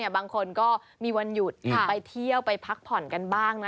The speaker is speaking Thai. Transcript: บางคนก็มีวันหยุดไปเที่ยวไปพักผ่อนกันบ้างนะ